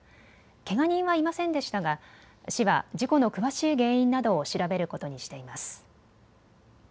けが人はいませんでしたが市は事故の詳しい原因などを調べることにしています。